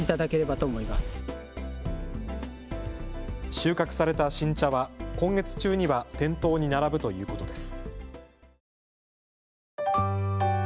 収穫された新茶は今月中には店頭に並ぶということです。